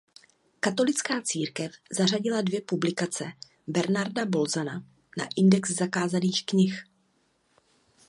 Katolická církev zařadila dvě publikace Bernarda Bolzana na Index zakázaných knih.